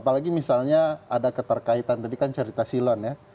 apalagi misalnya ada keterkaitan tadi kan cerita silon ya